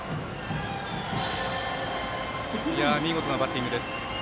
見事なバッティングです。